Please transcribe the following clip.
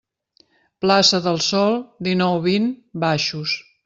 Plaça del Sol dinou - vint, baixos.